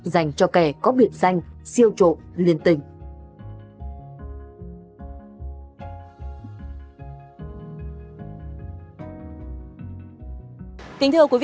dành cho kẻ có biện danh siêu trộm liên tình